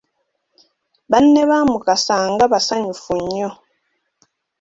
Banne ba Mukasa nga basanyufu nnyo